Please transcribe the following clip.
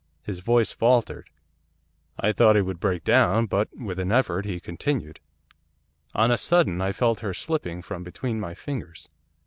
His voice faltered. I thought he would break down. But, with an effort, he continued. 'On a sudden, I felt her slipping from between my fingers.